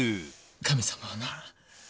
神様はな